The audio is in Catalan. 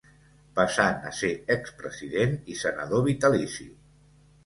Passant a ser expresident i senador vitalici.